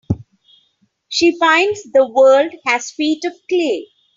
She finds the world has feet of clay.